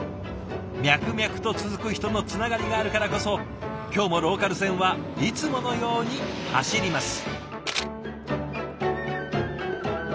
脈々と続く人のつながりがあるからこそ今日もローカル線はいつものように走ります。